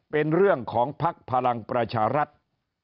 เป็นเรื่องของพรรคพลังปรชรรัตน์